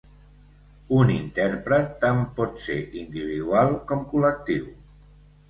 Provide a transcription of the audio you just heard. Un intèrpret tant pot ser individual com col·lectiu.